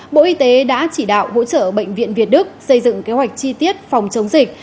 bộ y tế đã chỉ đạo hỗ trợ bệnh viện việt đức xây dựng kế hoạch chi tiết phòng chống dịch